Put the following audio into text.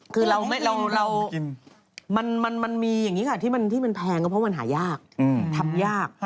คือมันมีอย่างนี้ค่ะที่มันแพงก็เพราะมันหายากทำยาก